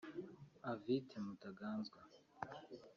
Avite Mutaganzwa